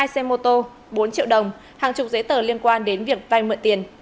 hai xe mô tô bốn triệu đồng hàng chục giấy tờ liên quan đến việc vai mượn tiền